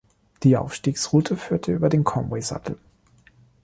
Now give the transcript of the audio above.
Die Aufstiegsroute führte über den Conway-Sattel.